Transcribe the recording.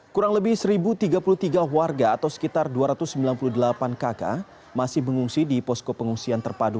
kurang lebih satu tiga puluh tiga warga atau sekitar dua ratus sembilan puluh delapan kakak masih mengungsi di posko pengungsian terpadu